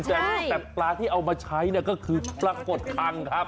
เออปลาจุ่มแต่ปลาที่เอามาใช้ก็คือปลากดครั้งครับ